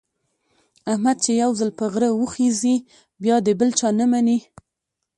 احمد چې یو ځل په غره وخېژي، بیا د بل چا نه مني.